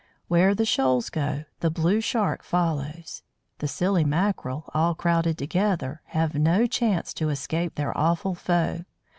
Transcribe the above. Where the shoals go, the Blue Shark follows. The silly Mackerel, all crowded together, have no chance to escape their awful foe.